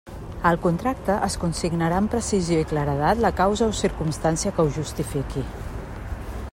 Al contracte es consignarà amb precisió i claredat la causa o circumstància que ho justifiqui.